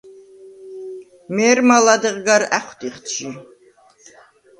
მე̄რმა ლადეღ გარ ა̈ხვტიხდ ჟი.